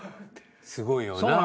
すごいよな。